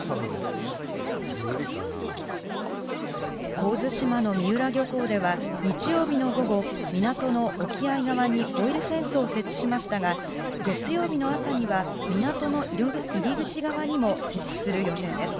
神津島の三浦漁港では日曜日の午後港の沖合側にオイルフェンスを設置しましたが月曜日の朝には港の入り口側にも設置する予定です。